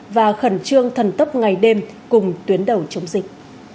và khẩn trương thần tốc ngày đêm cùng tuyến đầu chống dịch